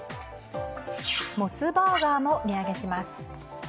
モスバーガーも値上げします。